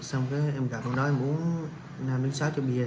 xong rồi em gặp con đó em uống năm miếng sát cho bia